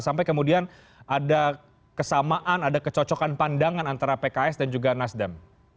sampai kemudian ada kesamaan ada kecocokan pandangan antara pks dan juga nasdem